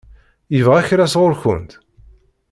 Yebɣa kra sɣur-kent?